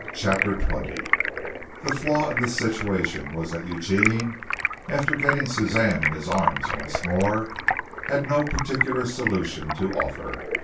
CHAPTER XX The flaw in this situation was that Eugene, after getting Suzanne in his arms once more, had no particular solution to offer.